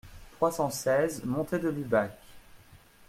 trois cent seize montée de l'Ubac